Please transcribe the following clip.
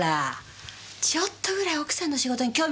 ちょっとぐらい奥さんの仕事に興味持ちなさいよ。